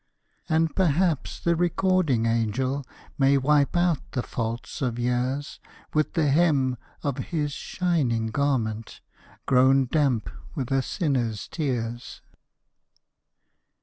And perhaps the Recording Angel May wipe out the faults of years With the hem of His shining garment, Grown damp with a sinner's tears.